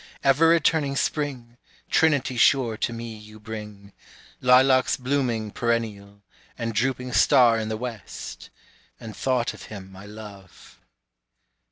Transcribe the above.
Ever returning spring, trinity sure to me you bring, Lilacs blooming perennial, and drooping star in the west, And thought of him I love.